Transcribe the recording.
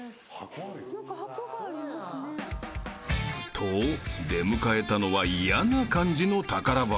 ［と出迎えたのは嫌な感じの宝箱］